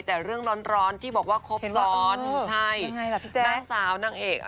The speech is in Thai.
แต่เรื่องร้อนที่บอกว่าคบซ้อน